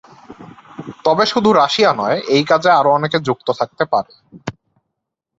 তবে শুধু রাশিয়া নয়, এই কাজে আরও অনেকে যুক্ত থাকতে পারে।